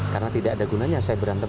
karena tidak ada gunanya saya berantem